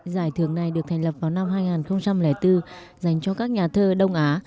giải thưởng này được thành lập vào năm hai nghìn bốn dành cho các nhà thơ đông á